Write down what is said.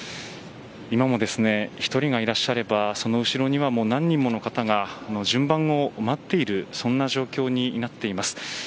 今も、１人がいらっしゃればその後ろには何人もの方が順番を待っているそんな状況になっています。